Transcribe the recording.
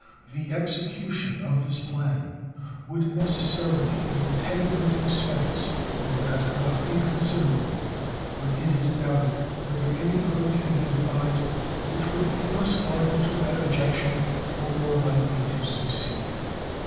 The execution of this plan would necessarily be attended with expense, and that not inconsiderable, but it is doubted whether any other can be devised which would be less liable to that objection or more likely to succeed.